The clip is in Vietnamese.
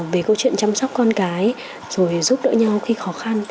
về câu chuyện chăm sóc con cái rồi giúp đỡ nhau khi khó khăn